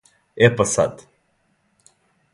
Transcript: Е па сад.